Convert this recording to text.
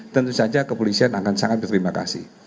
tentu saja kepolisian akan sangat berterima kasih